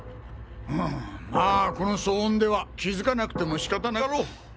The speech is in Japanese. まぁこの騒音では気づかなくても仕方なかろう。